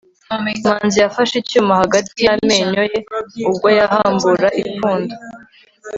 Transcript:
manzi yafashe icyuma hagati y amenyo ye ubwo yahambura ipfundo